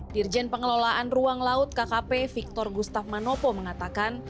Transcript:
dirjen pengelolaan ruang laut kkp victor gustaf manopo mengatakan